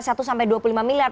satu sampai dua puluh lima miliar